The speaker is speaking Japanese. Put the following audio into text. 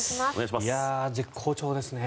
絶好調ですね。